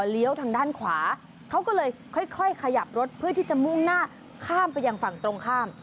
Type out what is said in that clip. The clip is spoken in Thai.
ทางด้านขวาเขาก็เลยค่อยขยับรถเพื่อที่จะมุ่งหน้าข้ามไปยังฝั่งตรงข้าม